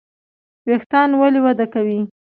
ویښتان ولې وده کوي؟